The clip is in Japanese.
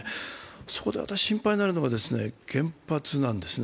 そこで心配になるのが原発なんですね。